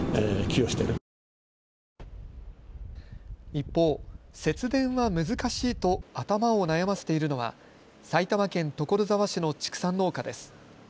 一方、節電は難しいと頭を悩ませているのは埼玉県所沢市の畜産農家です。